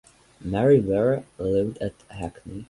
Mary Vere lived at Hackney.